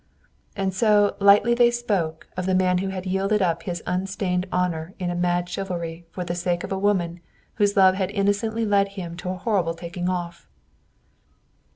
And so "lightly they spoke" of the man who had yielded up his unstained honor in a mad chivalry for the sake of a woman whose love had innocently led him to a horrible taking off!